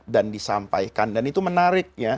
dan disampaikan dan itu menarik